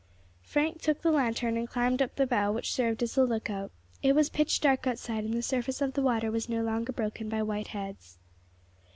Frank took the lantern and climbed up the bough which served as a lookout. It was pitch dark outside, and the surface of the water was no longer broken by white heads.